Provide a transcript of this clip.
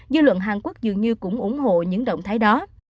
dư luận hàn quốc dường như cũng ủng hộ những động thái đó